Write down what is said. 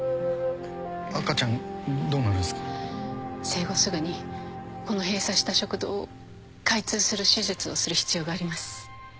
生後すぐにこの閉鎖した食道を開通する手術をする必要があります。